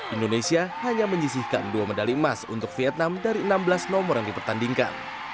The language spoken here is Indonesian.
indonesia hanya menyisihkan dua medali emas untuk vietnam dari enam belas nomor yang dipertandingkan